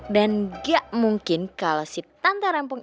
dan gak mungkin kalau si tante rempung